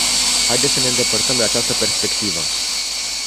Haideți să ne îndepărtăm de această perspectivă.